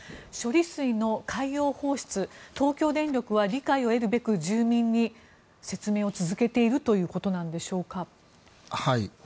処理水の海洋放出東京電力は理解を得るべく住民に説明を続けているということなんでしょうか。